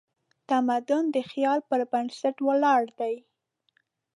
تمدن د خیال پر بنسټ ولاړ دی.